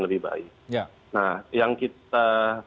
lebih baik nah yang kita